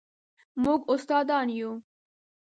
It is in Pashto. موږ استادان یو